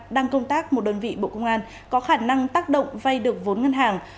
đang công tác một đơn vị bộ công an có khả năng tác động vay được vốn ngân hàng